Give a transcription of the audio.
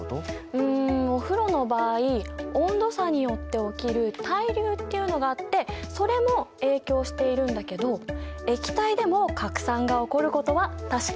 うんお風呂の場合温度差によって起きる対流っていうのがあってそれも影響しているんだけど液体でも拡散が起こることは確か！